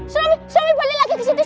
snowy balik lagi ke situ